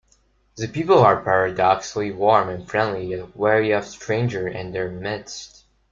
The people are paradoxically warm and friendly yet wary of strangers in their midst.